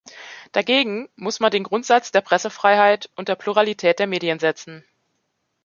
Dagegen muss man den Grundsatz der Pressefreiheit und der Pluralität der Medien setzen.